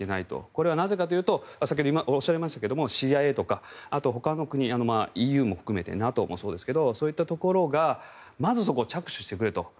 これはなぜかというと先ほどおっしゃいましたけどＣＩＡとかあとほかの国、ＥＵも含めてＮＡＴＯもそうですがそういったところがまず、そこを着手してくれと。